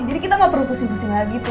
jadi kita gak perlu pusing pusing lagi tuh